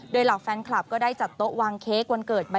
โดยเหล่าแฟนคลับก็ได้จัดโต๊ะวางเค้กวันเกิดมา